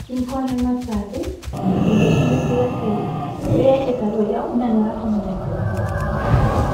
Cinco años más tarde, siguiendo su investigación, crea y desarrolla una nueva combinación mejor.